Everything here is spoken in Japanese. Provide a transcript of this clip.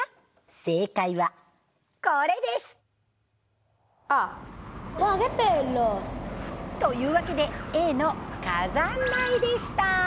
正解はこれです！というわけでＡの火山灰でした。